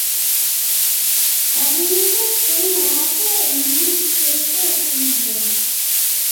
Правењето стој на раце е многу тешко да се изведе.